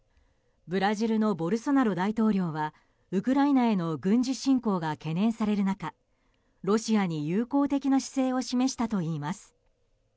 ブラジルのボルソナロ大統領はウクライナへの軍事侵攻が懸念される中ロシアに友好的な姿勢を示したといいます。